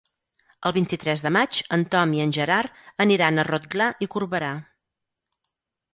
El vint-i-tres de maig en Tom i en Gerard aniran a Rotglà i Corberà.